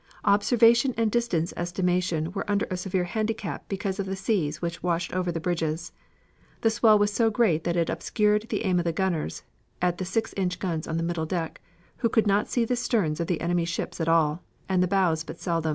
Observation and distance estimation were under a severe handicap because of the seas which washed over the bridges. The swell was so great that it obscured the aim of the gunners at the six inch guns on the middle deck, who could not see the sterns of the enemy ships at all, and the bows but seldom.